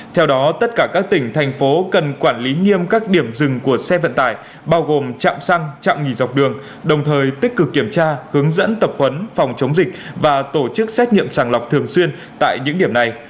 theo đó tất cả các tỉnh thành phố cần quản lý nghiêm các điểm dừng của xe vận tải bao gồm chạm xăng chạm nghỉ dọc đường đồng thời tích cực kiểm tra hướng dẫn tập huấn phòng chống dịch và tổ chức xét nghiệm sàng lọc thường xuyên tại những điểm này